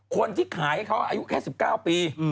คนที่ขายให้เขาอายุแค่๑๙ปี